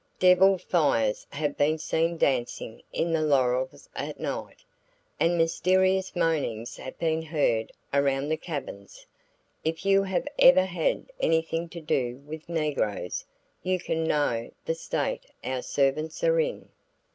Devil fires have been seen dancing in the laurels at night, and mysterious moanings have been heard around the cabins. If you have ever had anything to do with negroes, you can know the state our servants are in."